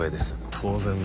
当然だ。